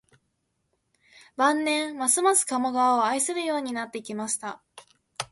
晩年、ますます加茂川を愛するようになってきました